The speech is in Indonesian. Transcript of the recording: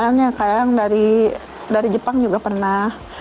wisatawan ya kadang dari jepang juga pernah